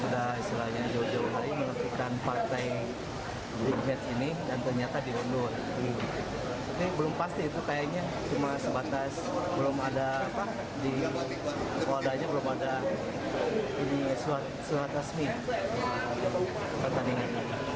dan ternyata diundur ini belum pasti itu kayaknya cuma sebatas belum ada di polda aja belum ada di suara resmi pertandingan